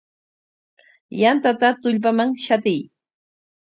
Yantata tullpaman shatiy.